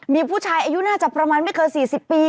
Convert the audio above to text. มีผู้ชายอายุน่าจะประมาณไม่เกิน๔๐ปี